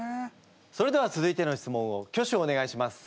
それでは続いての質問を挙手お願いします。